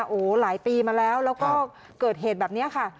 โอ้โหหลายปีมาแล้วแล้วก็เกิดเหตุแบบนี้ค่ะ